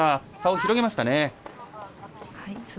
差を広げました。